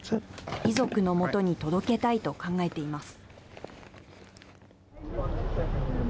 遺族のもとに届けたいと考えています。